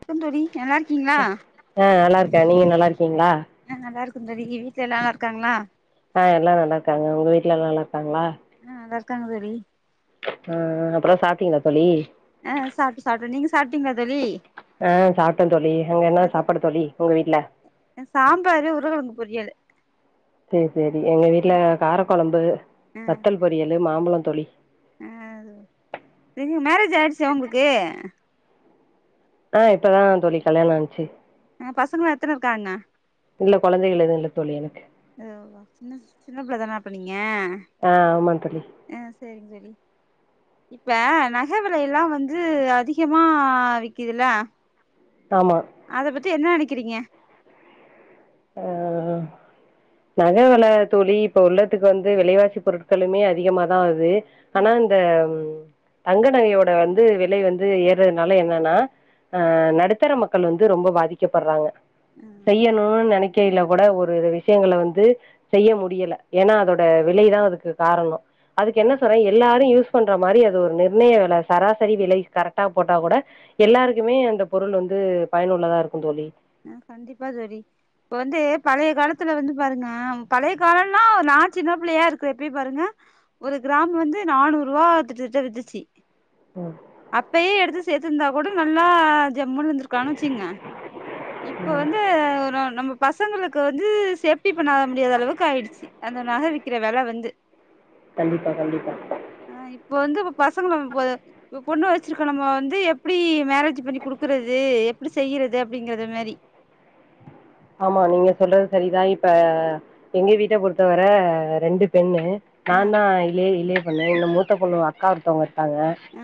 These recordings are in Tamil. வணக்கம் தோழி நல்லா இருக்கீங்க ஆ நல்லா இருக்கேன் நீங்க நல்லா இருக்கீங்களா ந நல்லா இருக்க தோழி இங்க வீட்ல எல்ல எல்லாம் இருக்காங்களா ஆ எல்லா நல்லா இருக்காங்க உங்க வீட்ல எல்லாம் நல்லா இருக்காங்களா ஆ நல்லா இருக்காங்க தோழி ஆ ஆ அப்பறம் சாப்டிங்களா தோழி ஆ சாப்ட்ட சாப்ட்ட தோழி நீங்க சாப்பிட்டீங்களா தோழி ஆ சாப்ட்டேன் தோழி அங்க என்ன மதிய சாப்பாடு தோழி உங்க வீட்ல சாம்பாரு உருலகலங்கு பொரியல் சேர் சேரி எங்க வீட்ல காரக்குழம்பு ஆ வத்தல் பொரியல் மாம்பழம் தோழி ஆ நீங்க மேரேஜ் ஆயிடுச்சா உங்களுக்கு ஆ இப்பதான் தோழி கல்யாணம் ஆச்சு ஆ பசங்களா எத்தனை இருக்காங்க இல்ல குழந்தைகள் எதும் இல்ல தோழி எனக்கு எதோதோ சின்ன சின்ன பிள்ளைதான அப்ப நீங்க ஆ ஆமா தோழி ஆ சேரிங்க தோழி இப்ப நகை விலையஎல்லாம் வந்து அதிகமா விக்குதுல ஆமா அத பத்தி என்ன நினைக்கிறீங்க ஆ நக வள தோழி இப்ப உள்ளதுக்கு வந்து விலைவாசி பொருட்களுமே அதிகமாதான் வருது ஆ ஆனா இந்த தங்கநகையோட வந்து விலை வந்து ஏறறதுனால என்னன்னா ஆ நடுத்தர மக்கள் வந்து ரொம்ப பாதிக்கப்பற்றாங்க ஆ செய்யணு நெணிக்கையில கூட ஒரு விஷயங்கள வந்து செய்ய முடியல ஏன்னா அதோட விலைதா அதுக்கு காரணோ அதுக்கு என்ன சொல்றே எல்லாரு யூஸ் பண்ற மாரி அது ஒரு நிர்ணய வில சராசரி விலை கரெக்டா போட்டா கூட எல்லாருக்குமே அந்த பொருள் வந்து பயனுள்ளதா இருக்கு தோழி ஆ கண்டிப்பா தோழி இப்ப வந்து பழைய காலத்துல வந்து பாருங்க பழைய காலம்னா நா சின்ன பிள்ளையா இருக்குறப்பயே பாருங்க ஒரு கிராம் வந்து நானூறு ரூவா கிட்டத்தட்ட இருந்துச்சு ம் அப்பயே எடுத்து சேர்த்துருந்தா கூட நல்லா ஜம்முன் இருந்திருக்கலான் வச்சுங்க இப்ப ம் வந்து ஒரு நம்ம பசங்களுக்கு வந்து சேப்டி பண்ண முடியாத அளவுக்கு ஆயிடுச்சு அந்த நக விக்கிற வெல வந்து கண்டிப்பா கண்டிப்பா ஆ இப்ப வந்து பசங்க நம்ம போ இப்ப பொண்ணு வச்சிருக்கோ நம்ம வந்து எப்டி மேரேஜ் பண்ணி குடுக்கறது எப்டி செய்றது அப்படிங்கறத மாரி ஆமா நீங்க சொல்றது சரிதா இப்ப எங்க வீட்ட பொறுத்தவர ரெண்டு பொண்ணு நா ஆ தா இயே இளைய பொண்ணு இன்னு மூத்த பொண்ணு அக்கா ஒருத்தவங்க இருக்காங்க ஆ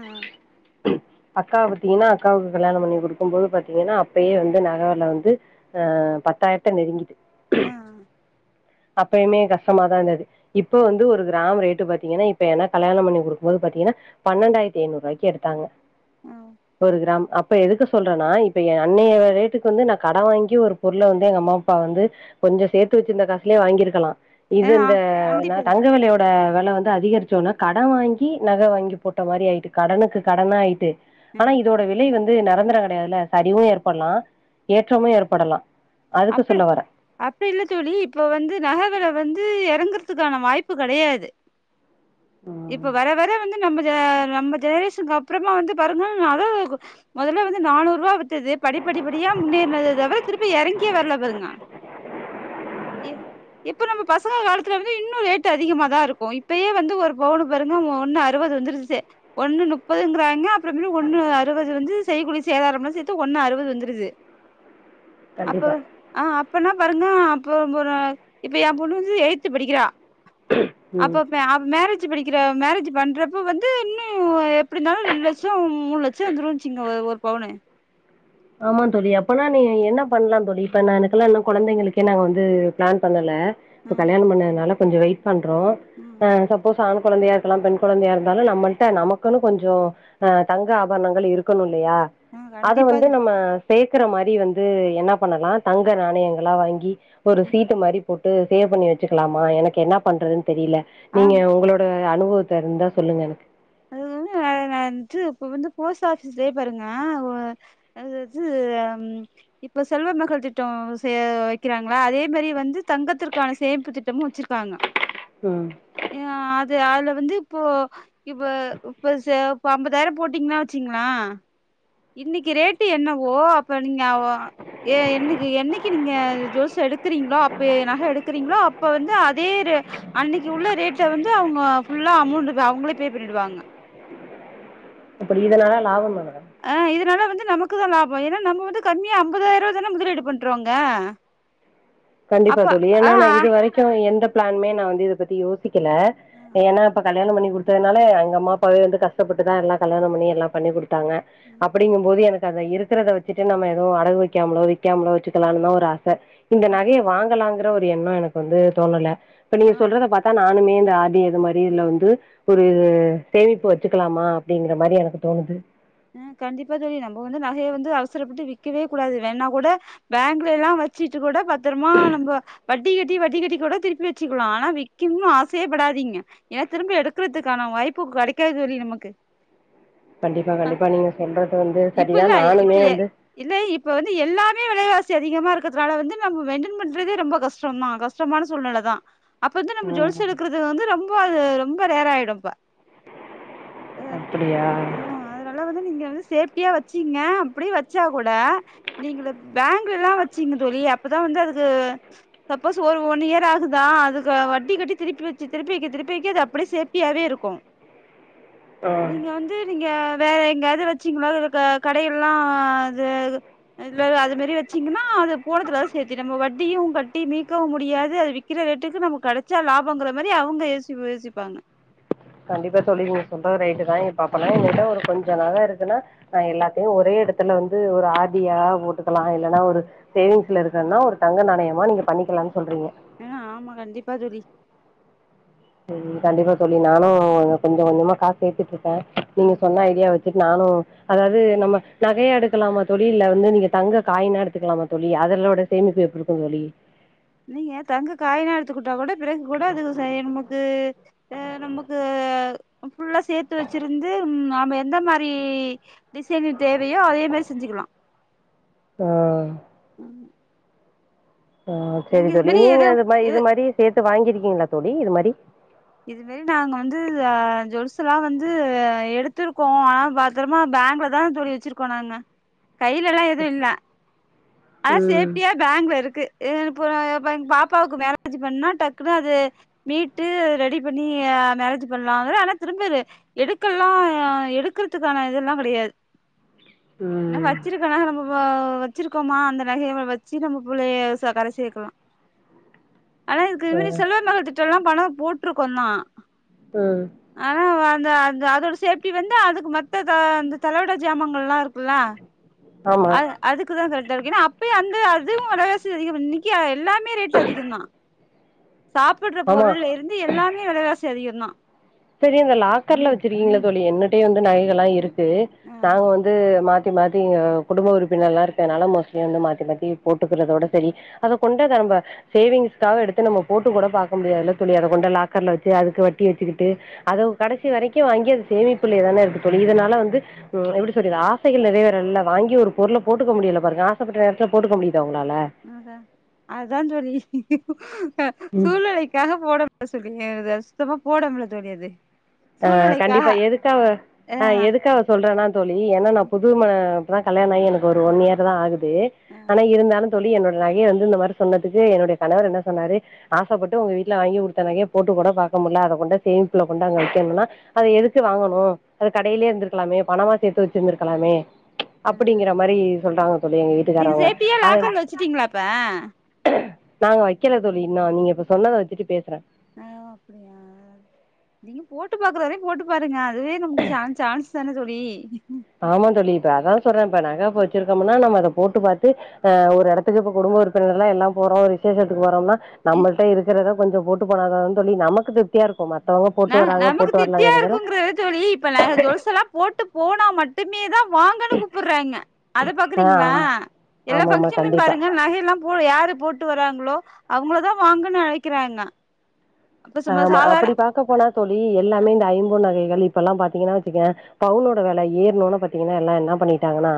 அக்கா பார்த்தீங்கன்னா அக்காவுக்கு கல்யாணம் பண்ணி கொடுக்கும்போது பாத்தீங்கன்னா அப்பயே வந்து நக வில வந்து ஆ பத்தாயிரத்த நெருங்கிட்டு ம் அப்பயுமே கஷ்டமாதா இருந்தது இப்ப ஆ வந்து ஒரு கிராம் ரேட்டு பாத்தீங்கன்னா இப் ப என்ன கல்யாணம் பண்ணி கொடுக்கும் போது பாத்தீங்கன்னா பண்ணன்டாயிரத்து ஐநூறு ரூவாய்க்கி எடுத்தாங்க ஒரு கிராம் அப் ப எதுக்கு சொல்றேன்னா இப்ப எ அன்னைய ரேட்டுக்கு வந்து நா கடன் வாங்கி ஒரு பொருள வந்து எங்க அம்மா அப்பா வந்து கொஞ்ச சேர்த்து வச்சுருந்த காசுல வாங்கியிருக்கலா ஆ இது ஆ இந்த கண்டிப்பா தோழி தங்க விலைய ஆ வில வந்து அதிகரிச்சோன்ன கட வாங்கி நக வாங்கி போட்ட மாரி ஆயிட்டு கடனுக்கு கடனு ஆய்ட்டு ம் ஆனா இதோட விலை வந்து நெரந்திரம் கிடையாதுல்ல சரிவு ஏற்படலா ம் ஏற்றமு ஏற்படலா அதுக்கு அப்ப சொல்ல வரே அப்டி இல்ல தோழி இப்ப வந்து நகவெல வந்து இறங்குறதுக்கான வாய்ப்பு கெடையாது இப்ப ம். வர வர வந்து நம்மஜெ நம்ம ஜெனரேஷனுக்கு அப்புறமா வந்து பாருங்கா நக [unintelligible] முதல்ல வந்து நானூறு ரூவா வித்துது படி படி படியா முன்னேறினது தவிர திருப்பி இறங்கியே வரல பாருங்க ஏ இப்போ நம்ம பசங்க காலத்துல வந்து இன்னு ரேட்டு அதிகமா தா இருக்கு இப்பயே வந்து ஒரு பவுனு பாருங்க ஒன்னு அறுவது வந்துருச்சு ஒண்ணு முப்பதுங்கிறாங்க அப்படி இப்டி ஒண்ணு அறுவது வந்து செய்கூலி சேதாரம்லா சேத்து ஒண்ணு அறுவது வந்துருது அப்ப கண்டிப்பா. ஆ அப்பனா பாருங்க அப்ப இப்ப எ பொண்ணு வந்து எய்த்து படிக்கிறா ம். அப்ப அவ மேரேஜ் படிக்கிற மேரேஜ் பண்றப்போ வந்து இன்னு எப்டி இருந்தாலு ரெண்டு லட்சம் மூண் லட்சோ வந்துருச்சுங்க ஒரு பவுனு ஆமா தோழி அப்பனா நீ என்ன பண்லா தோழி இப்ப நா எனக்கெல்லா இன்னு குழந்தைங்களுக்கே நாங் வந்து பிளான் பண்ணல இப்ப ம் கல்யாணம் பண்ணதுனால கொஞ்ச வெயிட் பண்றோ ம் ஆ சப்போஸ் ஆண் கொழந்தையா இருக்கலா பெண் கொழந்தையா இருந்தாலு நம்மள்ட நமக்குன் கொஞ்சோ ஆ தங்க ஆபரணங்கள் இருக்கணு இல்லையா ஆ அத கண்டிப்பா வந்து அது நம்ம சேக்குற மாரி வந்து என்ன பண்ணலா தங்க நாணயங்களா வாங்கி ஒரு சீட்டு மாரி போட்டு சேவ் பண்ணி வச்சுக்கலாமா எனக்கு என்ன பண்றதுன் தெரியல ஆ நீங்க உங்களோட அனுபவத்த இருந்தா சொல்லுங்க எனக்கு அது நான் வந்துட்டு இப்ப வந்து போஸ்ட் ஆபிஸ்லயே பாருங்க அதாவது இப்ப செல்வமகள் திட்ட சே வைக்கிறாங்களா அதே மாரி வந்து தங்கத்திற்கான சேமிப்பு திட்டமு வச்சிருக்காங்க ம் அ அது அதுல வந்து இப்போ இப்ப இப்ப இப்ப அம்பதாயிர போட்டீங்கன்னா வச்சீங்களே இன்னைக்கு ரேட்டு என்னவோ இப்ப நீங்க எ என்னைக்கு என்னைக்கு நீங்க ஜூவல்சு எடுக்கிறீங்களோ இப்ப நக எடுக்கிறீங்களோ அப்ப வந்து அதே ரே அன்னைக்கு உள்ள ரேட்ட வந்து அவுங்க புல்லா அமௌண்ட் அவுங்களே பே பண்ணிடுவாங்க அப்டி இதனல்லா லாபமா மேடம் ஆ இதனால வந்து நமக்கு தா லாப ஏன்னா நம்ம வந்து கம்மியா அம்பதாயிர ரூபா தானே முதலீடு பண்றோங்க கண்டிப்பா அப்ப தோழி ஆ ஏன்னா நா இதுவரைக் கு எந்த பிளானுமே நா வந்து இத பத்தி யோசிக்கல ஆ ஏன்னாப்ப கல்யாணம் பண்ணி குடுத் தனால எங்க அம்மா அப்பாவே வந்து கஷ்டப்பட்டுதா எல்லா கல்யாணம் பண்ணி எல்லா பண்ணி குடுத்தாங்க ம் அப்படிங்க போது எனக்கு அத இருக்கறத வச்சுட்டு நம்ம எதுவும் அடகு வக்காமலோ விக்காமலோ வச்சுக்கலான் தா ஒரு ஆச இந்த அப்ப [unintelligible] வாங்கலாங்கிற ஒரு எண்ணம் எனக்கு வந்து தோணல இப்ப நீங்க ஆ சொல்றத பார்த்தா நான் னுமே இந்த ஆர் டி இது மாரி இதுல வந்து ஒரு சேமிப்பு வச்சுக்கலாமா அப்படிங்கிற மாரி எனக்கு தோணுது ஆ கண்டிப்பா தோழி நம்ம வந்து நகைய வந்து அவசரப்பட்டு விக்கவே கூடாது வேணா கூட பேங்க்லல்லா வச்சிட்டு கூட பத்திரமா நம்ப வட்டி கட்டி வட்டி கட்டி கூட திருப்பி வச்சுக்கலா ஆனா விக்கணும்னு ஆசையேப்படாதீங்க ஏக்கனுமே எடுக்கறதுக்கான வாய்ப்பு கெடைக்காது தோழி நமக்கு கண்டிப்பா அ கண்டிப்பா நீங்க சொல்றது வந்து இப்ப சரிதா இல்ல இப்ப நானுமே எ வந்து இல்ல இப்ப வந்து எல்லாமே விலைவாச அதிகமா இருக்கிறதுனால வந்து நம்ம மெயின்ட்டன் பண்றதே ரொம்ப கஷ்டம்தா கஷ் கஷ்டமான சூழ்நிலை தா அப்ப வந்து நம்ம ம் ஜொல்சு எடுக்கறது வந்து ரொம்ப அது ரொம்ப ரேர் ஆயிடு அப்ப அப்டியா அதுனால வந்து நீங்க வந்து சேஃப்டியா வச்சுங்க அப்டியே வச்சா கூட நீங்க ல பேங்குள்லா வச்சீங்க தோழி அப்பதா வந்து அதுக்கு சப்போஸ் ஒரு ஒன் இயர் ஆகுதா அதுக்கு வட்டி கட்டி திருப்பி வச்சு திருப்பி வைக்க திருப்பி வைக்க அது அப்டியே சேஃப்டியாவே இருக்கும் ஆ நீங்க வந்து நீங்க வேற எங்காது வச்சீங்களோ இது கடைகள்லா அது இல்லல்ல அது மாரி வச்சீங்கன்னா அது போடத்துலா சேத்து நம்ம வட்டியு கட்டி மீக்கவு முடியாது அது விக் விக்கிற ரேட்டுக்கு நம்ம கெடச்சா லாபங்கற மாரி அவங்க யோசி யோசிப்பாங்க கண்டிப்பா தோழி நீங்க சொல்றது ரைட்டு தா இப்ப அப்பனா என்கிட்ட ஒரு கொஞ்ச நக இருக்குன்னா ஆ எல்லாத்தையும் ஒரே எடத்துல வந்து ஒரு ஆர் டியா போட்டுக்கலா இல்லன்னா ஒரு சேவிங்ஸ்ல இருக்கன்னா ஒரு தங்க நாணயமா நீங்க பண்ணிக்கலான் சொல்றீங்க ஆ ஆமா கண்டிப்பா தோழி ம் கண்டிப்பா தோழி நானு கொஞ்ச கொஞ்சமா காசு சேத்துட்டு இருக்கே ஆ நீங்க சொன்ன ஐடியா வச்சுட்டு நானு அதாவது நம்ம நகையா எடுக்கலாமா தோழி இல்ல வந்து நீங்க தங்க காயனா எடுத்துக்கலாமா தோழி அதோட சேமிப்பு எப்டி இருக்கு தோழி நீங்க தங்க காயின்னா எடுத்துக்கிட்டா கூட பிறகு கூட அது சரி நமக்கு அ நமக்கு ஃபுல்லா சேத்து வச்சிருந்து நம எந்த மாரி டிசைனிங் தேவையோ அதே மாரி செஞ்சுக்கலா ஆ ஆ நீங்க செரி இது தோழி மாரி நீங்க எது இது மாரி இது மாரி சேத்து வாங்கியிருக்கீங்களா தோழி இது மாரி இது மாரி நாங்க வந்து ஜுவெல்ஸ் எல்லா வந்து எடுத்திருக்கோ ஆனா ப த்திரமா பேங்கள தா தோழி வச்சிருக்கோ நாங்க கையிலல்லா எதுவு இல்ல அத ம், சேப்டியா பேங்க்ல இருக்கு அ இப்போ அப்றோ எங்க பாப்பாவுக்கு மேரேஜ் பண்ணா டக்குன்னு அது மீட்டு ரெடி பண்ணி ஆ மேரேஜ் பண்ணுலான்னு ஆனா திரும்பிரு எடுக்கல்லா எடுக்குறதுக்கான இதெல்லா கெடையாது என்னா ம். வச்சிருக் இவ்ளோ நக நம்ம வெச்சிருக்கோமா அந்த நகையை வச்சு நம்ம புள்ளைய கரை சேக்கலா ஆனா இதுக்கு ஆ. முன்னாடி செல்வ மகள் திட்டம் எல்லா பணம் போட்டிருக்கோ தா ம் ஆனா அந்த அந்த அதோட சேஃப்டி வந்து அதுக்கு மத்த அந்த தலவிட ஜாமங்கள் எல்லா இருக் குல ஆமா. அத் அதுக்குதா கரெக்ட இரு ஏன்னா அப்யே அந்த அதுவு வெலவாசி அதிக இன்னிக்கி எல்லா இப்பமே ரேட் அதிக தா சாப்புற ஆமா பொருளலிருந்து எல்லாமே வெலவாசி அதிக தா செரி இந்த லாக்கர்ல வச்சிருக்கீங்களே தோழி என்னட்டயு வந்து நகைகள் எல்லா இருக்கு ஆ நாங்க வந் து மாத்தி மாத்தி குடும்ப உறுப்பினர்லா இருக்கனால மோஸ்ட்லி வந்து மாத்தி மாத்தி போட்டுக்கறதோட செரி அத கொண்டாந்து நம்ப சேவிங்ஸ்காக எடுத்து நம்ம போட்டு கூட பாக்க முடியாதுல்ல தோழி அத கொண்டு லாக்கர்ல வச்சி அதுக்கு வட்டிச்சிக்கி டு அத கடைசி வரைக்கு வாங்கி அது சேமிப்புலயே தானே இருக்கு தோழி இதனால வந்து ம் எப்டி சொல்லுது ஆசைகள் நிறை வேற இல்ல வாங்கி ஒரு பொருள போட்டுக்க முடியல பாருங்க ஆசைப்பட்ட நேரத்துல போட்டுக்க முடியுதா உங்களால அத அதா தோழி ஆ ம் சூழ்நிலைக்காக போட எப்ப சொல்றீங்க இத சுத்தமா போட முடியாது தோழி அது ஆ சூழ்நிலைக்காக கண்டிப்பா எதுக்காக ஆ எதுக்காக சொல்றேன்னா தோழி ஏன்னா நா புது ம இப்பதா கல்யாண ஆயி எனக்கு ஒரு ஒன் இயர் தா ஆகு து ஆ ஆனா ஆ இருந்தாலு தோழி என்னுடைய நகையை வந்து இந்த மாரி சொன்னதுக்கு என்னுடைய கணவர் என்ன சொன்னாரு ஆசைப்பட்டு உங்க வீட்டுல வாங்கி குடுத்த நகையை போட்டு கூட பாக்க முடியல அத கொண்டோய் சேமிப்புல கொண்டு அங்க என்னன்னா அத எதுக்கு வாங்கணு அது கடையிலயே இருந்திருக்கலாமே பணமா சேத்து வச்சுருந்திருக்கலாமே அப்டிங்கற மாரி சொல்றாங்க தோழி எங்க நீங்க வீட்டுக்காரவங்க சேஃப்டியா அத் லாக்கர்ல வச்சுட்டீங்களா இப்ப நாங்க வெக்கல தோழி இன்னு நீங்க இப்ப சொன்னத வச்சுட்டு பேசுறே ஆ அப்டியா நீங்க போட்டு பாக்குற வரைக்கு போட்டு பாருங்க அதுவே நமக்கு ச சான் ஸ்தான தோழி ஆமா தோழி இப்ப அதா சொல்றே இப்ப நக இப்ப வச்சிருக்கோம்னா நம்ம அத போட்டு பாத்து ஆ ஒரு எடத்துக்கு இப்ப குடும்ப உறுப்பினர் எல்லா போறோ விசேஷத்துக்கு போறோம்னா நம்மள்ட இருக்கிறத கொஞ்ச போட்டு போனாத தோழி நமக்கு திருப்தியா இருக்கு மத்தவங்க ந போட்டு வராங்க நமக்கு போட்டு திருப்தியா வரலங்கறதுல இருக்குங்குறது தோழி இப்ப ந ஜுவல்ச எல்லா போட்டு போனா மட்டுமே தா வாங்கன்னு கூப்பிடுறாங்க அத ஆ பாக்குறீங்களா ஆமா எல்லா ஆமாமா பங்க்ஷன்லு கண்டிப்பா பாருங்க நகை எல்லா புரயாரு போட்டு வராங்களோ அவங்களதா வாங்கன்னு அழைக்கிறாங்க அப்ப சும்மா ஆமா சாதார அப்டி பாக்க போனா தோழி எல்லாமே இந்த ஐம்பொன் நகைகள் இப்ப எல்லா பாத்தீங்கன்னா வச்சுக்கே பவுனோட வெல ஏர்னுனா பாத்தீங்கனா எல்லா என்னாப் பண்ணிட்டாங்கனா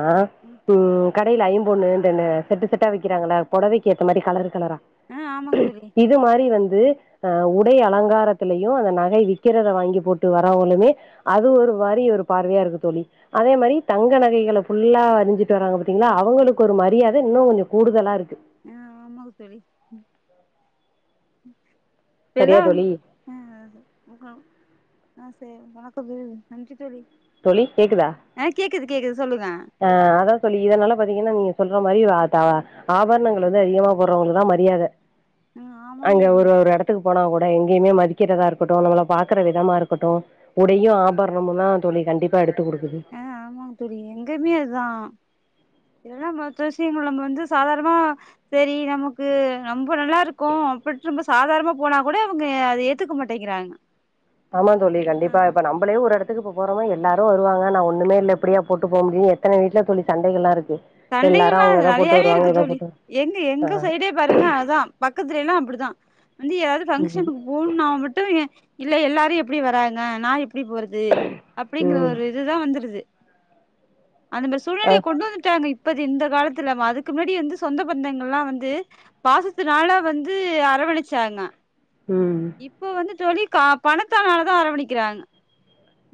ம் ம் கடைல ஐம்பொண்ணு இந்தனே செட்டு செட்டா விக்கிறாங்களா பொடவைக்கு ஏத்த மாரி கலரு கலரா அ ஆமாங்க தோழி இது மாரி வந்து அ ஒ உடை அலங்காரத்திலயு அந்த நகை விக்கிறத வாங்கி போட்டு வரவுங்களுமே அது ஒரு வரி ஒரு பார்வையா இருக்கு தோழி அதே மாரி தங்க நகைகளப் ஃபுல்லா அறிஞ்சிட்டு வராங்க பாத்தீங்ளா அவுங்களுக்கு ஒரு மரியாத இன்னு கொஞ்சோ கூடுதலா இருக்கு ஆ ஆமாக்கு தோழி சரியா எதோ வந் தோழி அ அ அது அ சே வணக்கம் தோழி நன்றி தோழி தோழி கேக்குதா ஆ கேக்குது கேக்குது சொல்லுங்க ஆ அதா தோழி இதனால பாத்தீங்கனா நீங்க சொல்ற மாரி வாதாவா ஆபரணங்கள் வந்து அதிகமா போட்றவங்கதா மரியாத ஆ ஆமாங்க அங்க தோழி ஒரு ஒரு எடத் த்துக்கு போனா கூட எங்கேயுமே மதிக்கிறதா இருக்கட்டு நம்மள பாக்கற விதமா இருக்கட்டு உடையு ஆபரணமுந்தா தோழி கண்டிப்பா எடுத்து குடுக்குது ஆ ஆமாங்க தோழி எங்கயுமே அதுதா இதலா மத்த விஷ்யங்கள் நம்ம வந்து சாதாரமா சேரி நமக்கு ரொம்ப நல்லா இருக்கோ அப்பிட் நம்ம சாதாரமா போனா கூட இவுங்க அத ஏத்துக்க மாட்டேங்கிறாங்க [inaudible] ஆமாந் தோழி ஆ கண்டிப்பா இப்ப நம்பளே ஒரு எடத் த்துக்கு இப்போ போரோமோ எல்லாரு வருவாங்க நா ஒன்னுமே இல்ல இப்டியா போட்டு போ முடியு எத்தனை வீட்ல தோழி சண்டைகள்லா இருக்கு எல்லாரு சண்டைகள்லா அவங்க எத போட்டு நெறயாவே வருவாங்க இருக்கு எத தோழி போட்டு எங்க எங்க சைடேப் பாருங்க அதா பக்கத்துல எல்லா அப்டிதா வந்து எதாவது ம் ஃபங்க்ஷனுக்கு போன்னா மட்டு ஏ இல்ல எல்லாரு எப்டி வராங்க நா எப்டி போறது அப்டிங்கிற ம் ஒரு இதுதா வந்துருது அந்த மேரி அ சூழ்நிலைய கொண்டு வந்துட்டாங்க இப் இப்பது இந்த காலத்து இல்லாம அதுக்கு முன்னாடி வந்து சொந்த பந்தங்கள்லா வந்து பாசத்தனால வந்து அரவணிச்சாங்க ம் இப்போ வந்து தோழி கா பணத்தானாலதா அரவணிக்கிறாங்க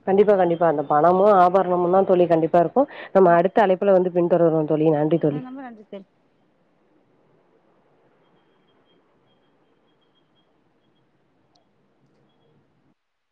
கண்டிப்பா கண்டிப்பா அந்த பணமு ஆபரணமுந்தா தோழி கண்டிப்பா இருக்கு நம்ம அடுத்த அழைப்புல வந்துத் பின்தொடர்வோ தோழி நன்றித் ஆ நொம்ப நன்றித் தோழி